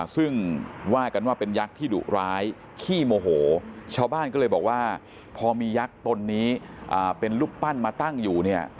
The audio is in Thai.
ซึ่งว่ากันว่าเป็นยักษ์ที่ดุร้ายขี้โมโหชาวบ้านก็เลยบอกว่าพอมียักษ์ตนนี้เป็นรูปปั้นมาตั้งอยู่เนี่ย